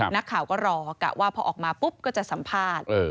นักข่าวก็รอกะว่าพอออกมาปุ๊บก็จะสัมภาษณ์